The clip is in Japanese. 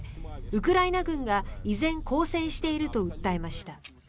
ウクライナ軍が依然抗戦していると訴えました。